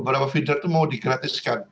beberapa feeder itu mau di gratiskan